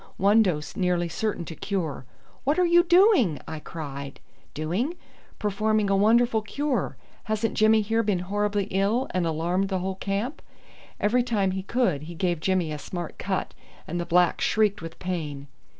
One dose nearly certain to cure." "What are you doing?" I cried. "Doing? Performing a wonderful cure. Hasn't Jimmy here been horribly ill, and alarmed the whole camp?" Every time he could he gave Jimmy a smart cut, and the black shrieked with pain.